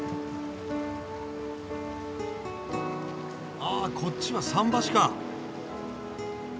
あこっちは桟橋か。